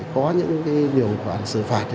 có những điều xử phạt